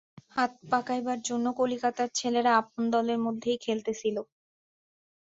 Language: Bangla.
হাত পাকাইবার জন্য কলিকাতার ছেলেরা আপন দলের মধ্যেই খেলিতেছিল।